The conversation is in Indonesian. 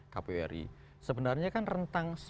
kpu ri sebenarnya kan rentang